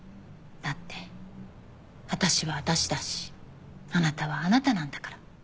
だって私は私だしあなたはあなたなんだから。